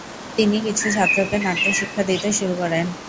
তিনি কিছু ছাত্রকে নাট্য শিক্ষা দিতে শুরু করেন।